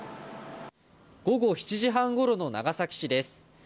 午後７時半ごろの長崎市です。